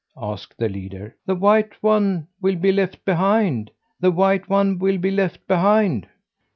asked the leader. "The white one will be left behind; the white one will be left behind."